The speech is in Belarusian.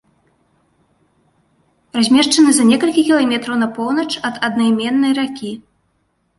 Размешчаны за некалькі кіламетраў на поўнач ад аднайменнай ракі.